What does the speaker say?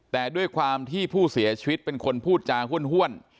แต่ด้วยความที่ผู้เสียชีวิตเป็นคนพูดจาห้วน